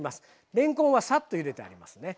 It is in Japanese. れんこんはサッとゆでてありますね。